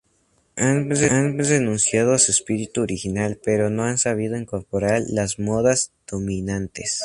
Han renunciado a su espíritu original pero no han sabido incorporar las modas dominantes.